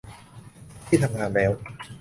ที่ทำงานแล้ว